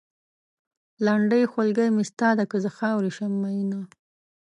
لنډۍ؛ خولګۍ مې ستا ده؛ که زه خاورې شم مينه